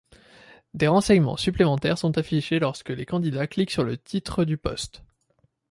Des renseignements supplémentaires sont affichés lorsque les candidats cliquent sur le titre du poste.